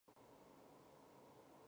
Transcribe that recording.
地标建筑为东皋公园中的文峰塔。